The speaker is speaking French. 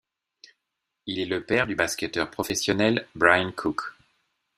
Il est le père du basketteur professionnel Brian Cook.